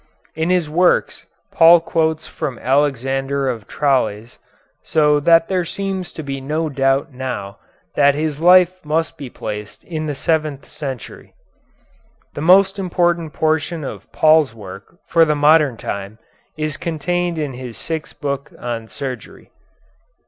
In his works Paul quotes from Alexander of Tralles, so that there seems to be no doubt now that his life must be placed in the seventh century. The most important portion of Paul's work for the modern time is contained in his sixth book on surgery.